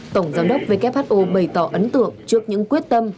tổng giám đốc who bày tỏ ấn tượng trước những quyết tâm